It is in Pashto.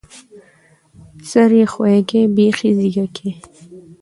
ـ سر يې ښويکى، بېخ يې زيږکى.